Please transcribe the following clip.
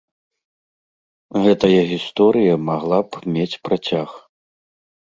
Гэтая гісторыя магла б мець працяг.